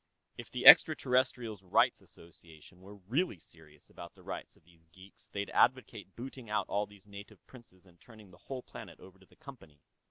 If the Extraterrestrial's Rights Association were really serious about the rights of these geeks, they'd advocate booting out all these native princes and turning the whole planet over to the Company.